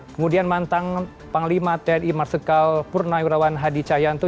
kemudian mantan panglima tni marsikal purna yudhawati